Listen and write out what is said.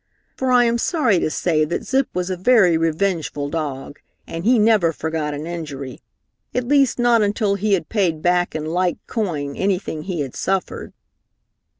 For I am sorry to say that Zip was a very revengeful dog, and he never forgot an injury, at least not until he had paid back in like coin anything he had suffered.